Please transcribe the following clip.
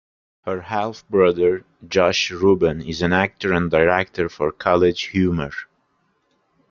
Her half brother, Josh Ruben, is an actor and director for CollegeHumor.